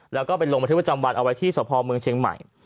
แล้วก็เป็นลงบัตรธิบัตรจำวันเอาไว้ที่สะพอมเมืองเชียงใหม่